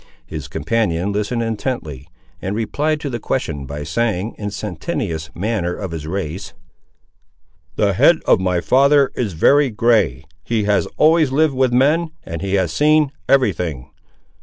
His companion listened intently, and replied to the question by saying, in the sententious manner of his race— "The head of my father is very grey; he has always lived with men, and he has seen everything.